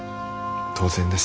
当然です。